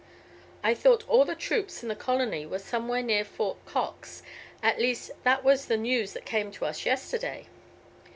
I thought all the troops in the colony were somewhere near Fort Cox, at least that was the news that came to us yesterday."